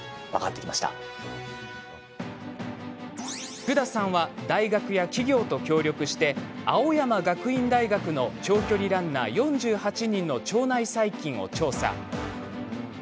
福田さんは大学や企業と協力して青山学院大学の長距離ランナー４８人の腸内細菌を調査。